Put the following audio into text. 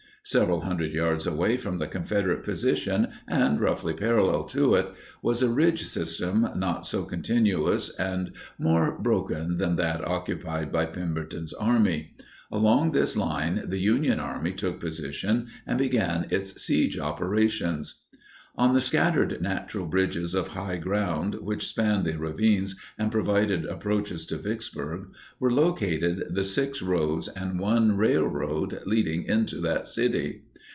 Several hundred yards away from the Confederate position and roughly parallel to it was a ridge system not so continuous and more broken than that occupied by Pemberton's Army. Along this line, the Union Army took position and began its siege operations. On the scattered natural bridges of high ground, which spanned the ravines and provided approaches to Vicksburg, were located the six roads and one railroad leading into that city.